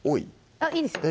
あっいいですよ